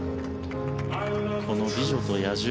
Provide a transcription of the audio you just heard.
この「美女と野獣」